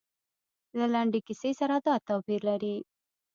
له لنډې کیسې سره دا توپیر لري.